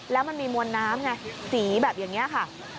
แล้วมันมีมวลน้ำไงสีแบบอย่างนี้ค่ะ